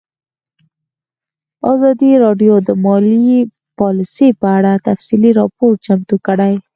ازادي راډیو د مالي پالیسي په اړه تفصیلي راپور چمتو کړی.